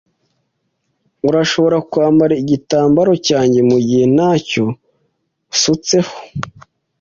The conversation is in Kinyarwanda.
Urashobora kwambara igitambaro cyanjye mugihe ntacyo usutseho.